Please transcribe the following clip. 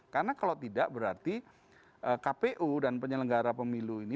karena kalau tidak berarti kpu dan penyelenggara pemilu ini